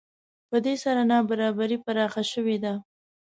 په دې سره نابرابري پراخه شوې ده